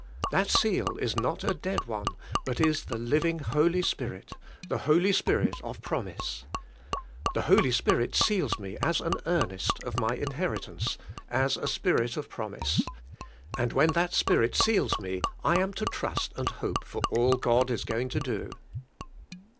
That seal is not a dead one, but is the living Holy Spirit, the Holy Spirit of promise. The Holy Spirit seals me as an earnest of my in heritance, as a spirit of promise; and when that Spirit seals me I am to trust and hope for all God is going to do.